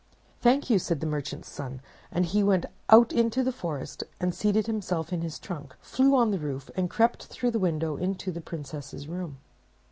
"Thank you!" said the Merchant's Son; and he went out into the forest, seated himself in his trunk, flew on the roof, and crept through the window into the Princess's room.